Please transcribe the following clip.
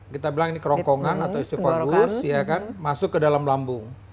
kita bilang ini kerongkongan atau esophagus ya kan masuk ke dalam lambung